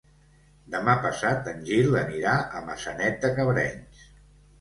Demà passat en Gil anirà a Maçanet de Cabrenys.